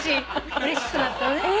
うれしくなったのね。